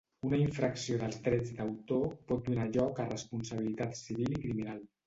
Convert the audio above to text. Una infracció dels drets d"autor pot donar lloc a responsabilitat civil i criminal.